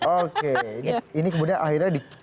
oke ini kemudian akhirnya diberikan kepada anda